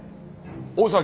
大崎